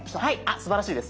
すばらしいです。